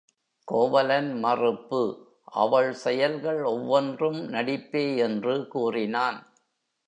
கோவலன் மறுப்பு அவள் செயல்கள் ஒவ்வொன்றும் நடிப்பே என்று கூறினான்.